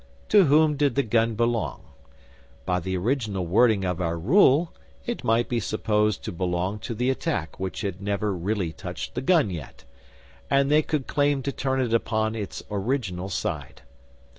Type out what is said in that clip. To whom did the gun belong? By the original wording of our rule, it might be supposed to belong to the attack which had never really touched the gun yet, and they could claim to turn it upon its original side.